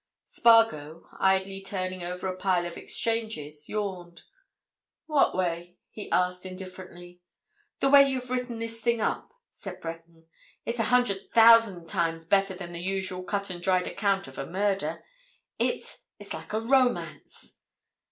Spargo, idly turning over a pile of exchanges, yawned. "What way?" he asked indifferently. "The way you've written this thing up," said Breton. "It's a hundred thousand times better than the usual cut and dried account of a murder. It's—it's like a—a romance!"